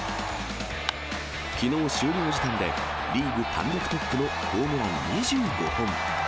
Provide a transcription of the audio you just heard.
きのう終了時点で、リーグ単独トップのホームラン２５本。